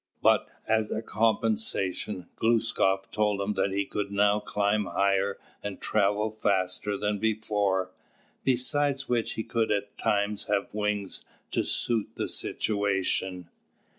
But, as a compensation, Glūskap told him that he could now climb higher and travel faster than before, besides which he could at times have wings to suit the situation.